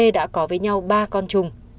đã có với nhau ba con chung